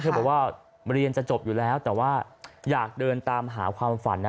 บอกว่าเรียนจะจบอยู่แล้วแต่ว่าอยากเดินตามหาความฝันนะ